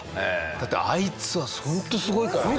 だってあいつはホントすごいからね。